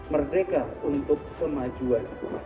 merdeka untuk kemajuan